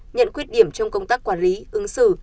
nhận khuyết điểm trong công tác quản lý ứng xử